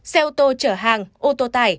xe ô tô chở hàng ô tô tải